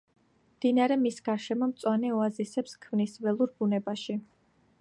მდინარე მის გარშემო მწვანე ოაზისებს ქმნის ველურ ბუნებაში.